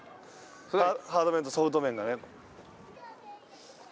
ハード面とソフト面がね。